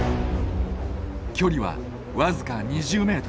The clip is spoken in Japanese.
距離はわずか２０ｍ。